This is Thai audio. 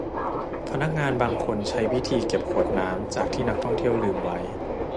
พนักงานบางคนใช้วิธีเก็บขวดน้ำจากที่นักท่องเที่ยวลืมไว้